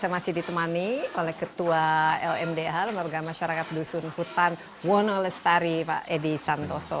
saya masih ditemani oleh ketua lmdh lembaga masyarakat dusun hutan wonolestari pak edi santoso